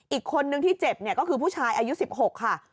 อีกคนนึงที่เจ็บเนี่ยก็คือผู้ชายอายุ๑๖ค่ะ